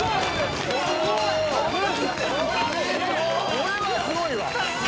これはすごいわ！